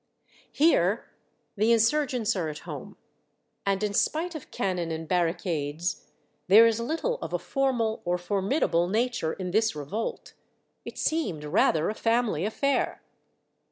Here the insurgents are at home, and in spite of cannon and barricades, there is httle of a formal or formidable nature in this revolt. It seemed rather a family affair.